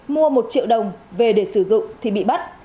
mua một triệu đồng về để sử dụng thì bị bắt